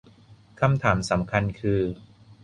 คำถามสำคัญคือ